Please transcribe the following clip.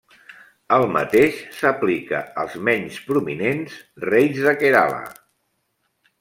El mateix s'aplica als menys prominents reis de Kerala.